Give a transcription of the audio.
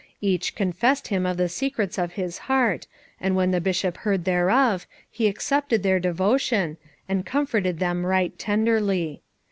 Each confessed him of the secrets of his heart, and when the Bishop heard thereof, he accepted their devotion, and comforted them right tenderly.